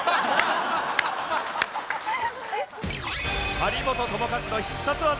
張本智和の必殺技。